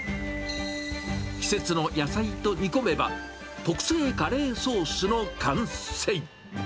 季節の野菜と煮込めば、特製カレーソースの完成。